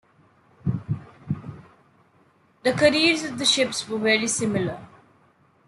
The careers of the ships were very similar.